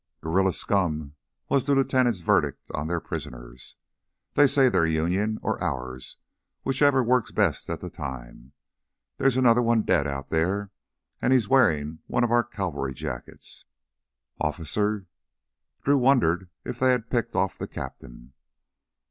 "Guerrilla scum," was the lieutenant's verdict on their prisoners. "They say they're Union ... or ours, whichever works best at the time. There's another one dead out there, and he's wearing one of our cavalry jackets!" "Officer's?" Drew wondered if they had picked off the "cap'n."